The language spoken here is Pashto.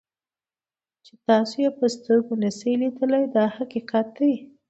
چې تاسو یې په سترګو نشئ لیدلی دا حقیقت دی.